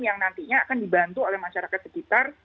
yang nantinya akan dibantu oleh masyarakat sekitar